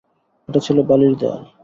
এটি ছিল বালির দেয়াল।